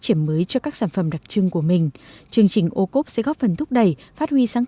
triển mới cho các sản phẩm đặc trưng của mình chương trình ô cốp sẽ góp phần thúc đẩy phát huy sáng